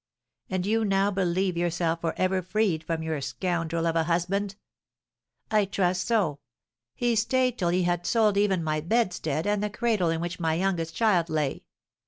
And do you now believe yourself for ever freed from your scoundrel of a husband?" "I trust so. He staid till he had sold even my bedstead and the cradle in which my youngest child lay.